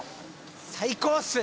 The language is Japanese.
最高っす！